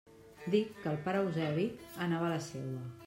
Dic que el pare Eusebi anava a la seua.